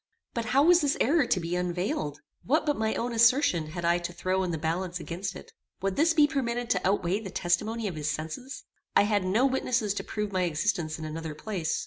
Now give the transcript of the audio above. But how was this error to be unveiled? What but my own assertion had I to throw in the balance against it? Would this be permitted to outweigh the testimony of his senses? I had no witnesses to prove my existence in another place.